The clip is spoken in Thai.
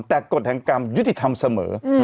แต่กฎแห่งกรรมยุติธรรมเสมอ